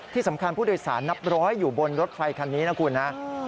ที่สำคัญผู้โดยสารนับร้อยอยู่บนรถไฟคันนี้นะคุณนะ